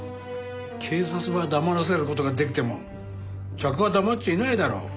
警察は黙らせる事ができても客は黙っちゃいないだろ。